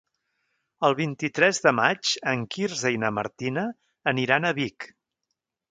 El vint-i-tres de maig en Quirze i na Martina aniran a Vic.